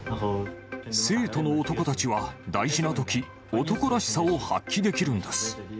成都の男たちは大事なとき、男らしさを発揮できるんです。